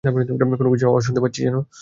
কোনোকিছুর আওয়াজ শুনতে পাচ্ছি।